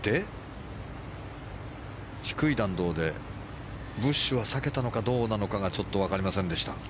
低い弾道でブッシュは避けたのかどうかがちょっと分かりませんでした。